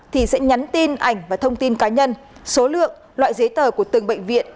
thì sẽ nhắn tin ảnh và thông tin cá nhân số lượng loại giấy tờ của từng bệnh viện